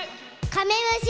カメムシ。